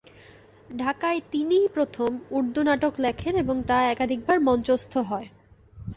ঢাকায় তিনিই প্রথম উর্দু নাটক লেখেন এবং তা একাধিকবার মঞ্চস্থ হয়।